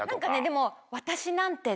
でも。